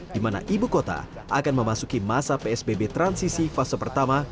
di mana ibu kota akan memasuki masa psbb transisi fase pertama